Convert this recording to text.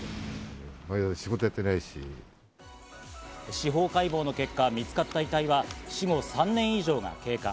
司法解剖の結果、見つかった遺体は死後３年以上が経過。